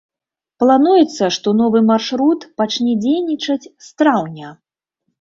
Плануецца, што новы маршрут пачне дзейнічаць з траўня.